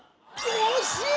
惜しい！